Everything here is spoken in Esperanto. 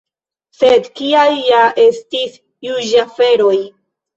Sed kiaj ja estis juĝaferoj?!